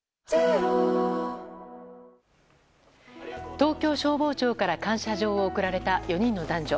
東京消防庁から感謝状を贈られた４人の男女。